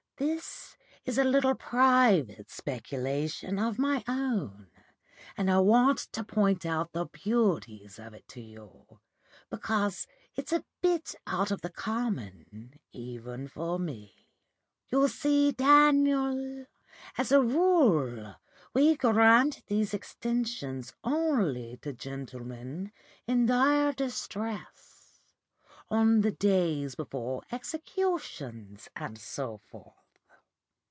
'This is a little private speculation of my own, and I want to point out the beauties of it to you, because it's a bit out of the common, even for me. You see, Daniel, as a rule we grant these extensions only to gentlemen in dire distress on the days before executions and so forth.